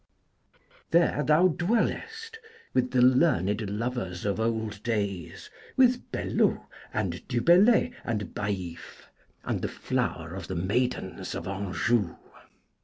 There thou dwellest, with the learned lovers of old days, with Belleau, and Du Bellay, and Bai'f, and the flower of the maidens of Anjou.